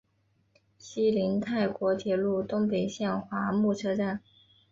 西邻泰国铁路东北线华目车站。